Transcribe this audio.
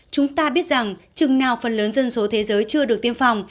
chúng ta biết rằng chừng nào phần lớn dân số thế giới chưa được tiêm phòng